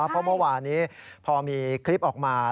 เพราะเมื่อวานี้พอมีคลิปออกมา